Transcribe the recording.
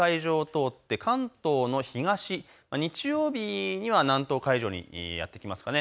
小笠原の東の海上通って関東の東、日曜日には南東海上にやって来ますかね。